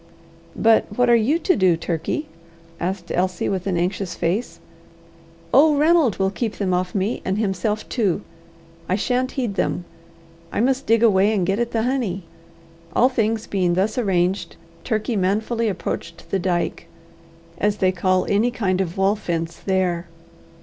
"But what are you to do, Turkey?" asked Elsie, with an anxious face. "Oh, Ranald will keep them off me and himself too. I shan't heed them. I must dig away, and get at the honey." All things being thus arranged, Turkey manfully approached the dyke, as they call any kind of wall fence there.